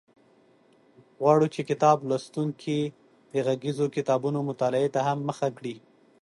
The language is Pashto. غواړو چې کتاب لوستونکي د غږیزو کتابونو مطالعې ته هم مخه کړي.